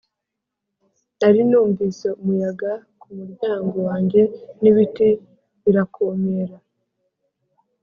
nari numvise umuyaga kumuryango wanjye n'ibiti birakomera